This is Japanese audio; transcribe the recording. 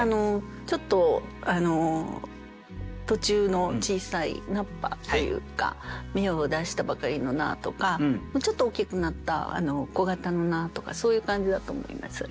ちょっと途中の小さい菜っ葉というか芽を出したばかりの菜とかちょっと大きくなった小形の菜とかそういう感じだと思います。